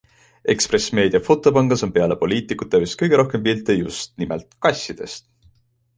Ekspress Meedia fotopangas on peale poliitikute vist kõige rohkem pilte just nimelt kassidest .